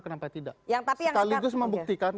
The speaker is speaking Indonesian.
kenapa tidak sekaligus membuktikan